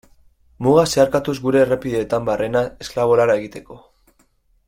Mugak zeharkatuz gure errepideetan barrena esklabo lana egiteko.